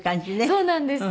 そうなんです。